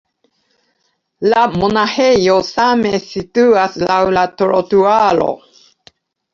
La monaĥejo same situas laŭ la trotuaro.